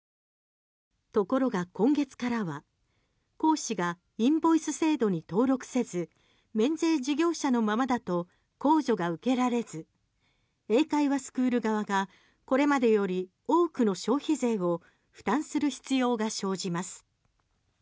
ところが今月からは講師がインボイス制度に登録せず免税事業者のままだと控除が受けられず英会話スクール側がこれまでより多くの消費税を負担する必要が生じます。